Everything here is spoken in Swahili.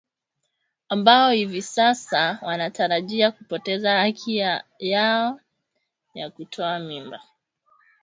ambao hivi sasa wanatarajia kupoteza haki ya yao ya kutoa mimba